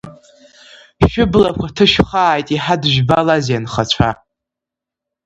Шәыблақәа ҭышәхааит, иҳадыжәбалазеи анхацәа!